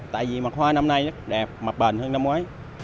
tại vì mặt hoa năm nay đẹp mặt bền hơn năm ngoái